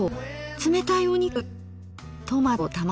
冷たいお肉。